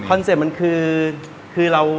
คือเรามองว่าเราอยากจะมีร้านอาหาร